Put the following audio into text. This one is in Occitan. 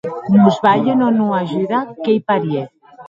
Mos balhen o non ajuda, qu’ei parièr!